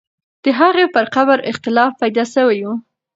د هغې پر قبر اختلاف پیدا سوی وو.